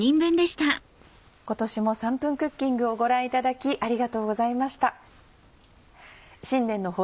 今年も『３分クッキング』をご覧いただきありがとうございました。